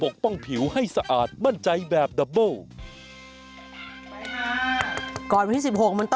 ก่อนวันที่๑๖มันต้องมีนะฮะ